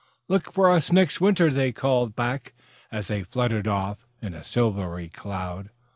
"Look for us next winter," they called back, as they fluttered off in a silvery cloud.